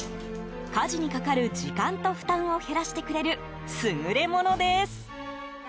家事にかかる時間と負担を減らしてくれる優れものです。